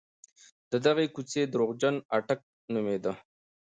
د دغې کوڅې درواغجن اټک نومېده.